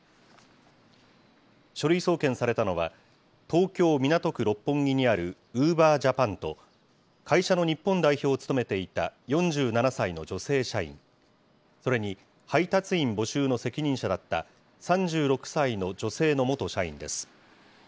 書類送検されたのは、東京・港区六本木にあるウーバージャパンと、会社の日本代表を務めていた、４７歳の女性社員、それに配達員募集の責任者だった３６歳の女性の元社員です。